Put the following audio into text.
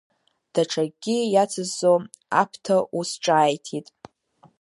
Даҽакгьы иацысҵо, Аԥҭа ус ҿааиҭит…